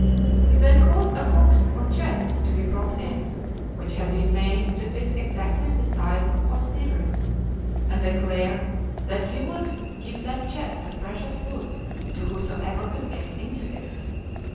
He then caused a box or chest to be brought in, which had been made to fit exactly the size of Osiris, and declared that he wouldd would give that chest of precious wood to whosoever could get into it.